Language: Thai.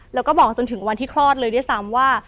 แล้วก็บอกจนถึงวันที่คลอดเลยด้วยซ้ำว่า